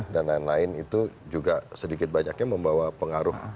empat dua belas dan lain lain itu juga sedikit banyaknya membawa pengaruh